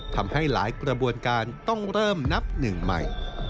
ทำให้หลายกระบวนการต้องเริ่มนับหนึ่งใหม่